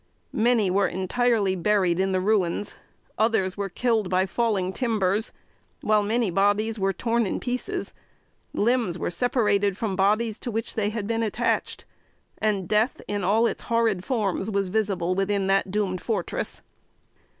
Many were entirely buried in the ruins, others were killed by falling timbers, while many bodies were torn in pieces. Limbs were separated from bodies to which they had been attached, and death, in all its horrid forms, was visible within that doomed fortress.